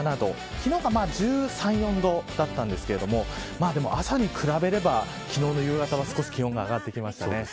昨日が１３、１４度だったんですけど朝に比べれば昨日の夕方は少し気温が上がってきました。